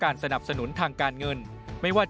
การที่จะทำกิจกรรมต่างนั้นจะหาเงินมาจากที่ไหนได้บ้าง